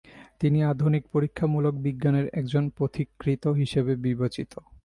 তিনি আধুনিক পরীক্ষামূলক বিজ্ঞানের একজন পথিকৃৎ হিসেবে বিবেচিত।